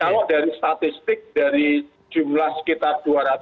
kalau dari statistik dari jumlah sekitar dua ratus